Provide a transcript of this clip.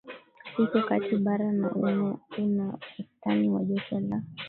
iko katika bara na una wastani wa joto la